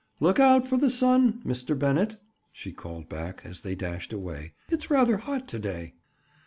"Look out for the sun, Mr. Bennett," she called back as they dashed away. "It's rather hot to day."